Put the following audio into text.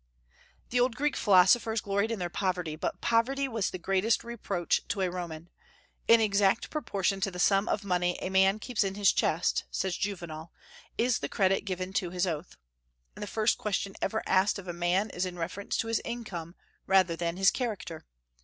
The old Greek philosophers gloried in their poverty; but poverty was the greatest reproach to a Roman. "In exact proportion to the sum of money a man keeps in his chest," says Juvenal, "is the credit given to his oath. And the first question ever asked of a man is in reference to his income, rather than his character.